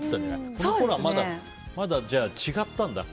このころは、まだ違ったんだ。